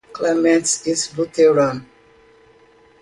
Clements is Lutheran.